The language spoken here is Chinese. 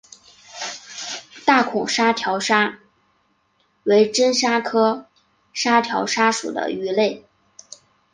大孔沙条鲨为真鲨科沙条鲨属的鱼类。